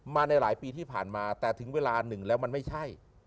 มาในหลายปีที่ผ่านมาแต่ถึงเวลาหนึ่งแล้วมันไม่ใช่